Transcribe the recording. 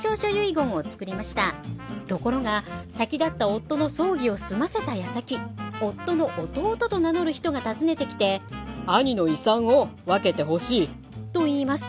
ところが先立った夫の葬儀を済ませたやさき夫の弟と名乗る人が訪ねてきてと言います。